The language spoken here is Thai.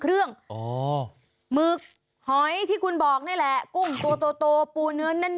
หมึกหอยที่คุณบอกนี่แหละกุ้งตัวโตปูเนื้อแน่น